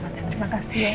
terima kasih ya